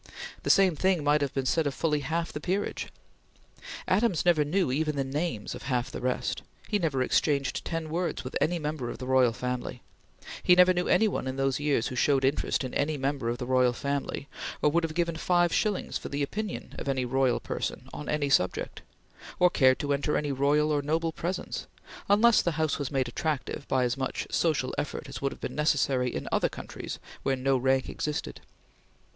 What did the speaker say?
The same thing might have been said of fully half the peerage. Adams never knew even the names of half the rest; he never exchanged ten words with any member of the royal family; he never knew any one in those years who showed interest in any member of the royal family, or who would have given five shillings for the opinion of any royal person on any subject; or cared to enter any royal or noble presence, unless the house was made attractive by as much social effort as would have been necessary in other countries where no rank existed.